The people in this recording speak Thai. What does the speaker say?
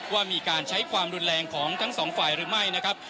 ว่ามีการใช้ความรุนแรงของทั้งสองฝ่ายหรือไม่นะครับ